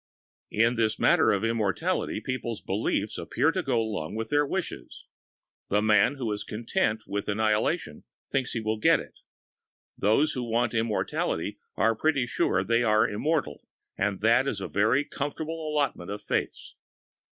In this matter of immortality, people's beliefs appear to go along with their wishes. The chap who is content with annihilation thinks he will get it; those that want immortality are pretty sure they are immortal, and that is a very comfortable allotment of faiths.